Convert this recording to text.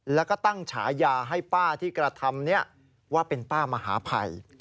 แล้วก็ตั้งฉายาให้ป้าที่กระทำนี้ว่าเป็นป้ามหาภัย